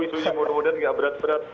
isunya mudah mudahan nggak berat berat